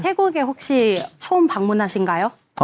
เทกูแกหุ้กซี่ช่วงบางมือนาชิงไกย้วะ